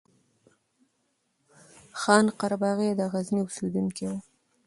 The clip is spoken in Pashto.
خان قرباغی د غزني اوسيدونکی وو